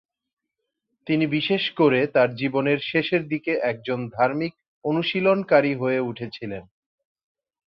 তিনি বিশেষ করে তার জীবনের শেষের দিকে একজন ধার্মিক অনুশীলনকারী হয়ে উঠেছিলেন।